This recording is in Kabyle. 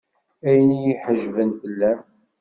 Ayen i yi-ḥejben fell-am.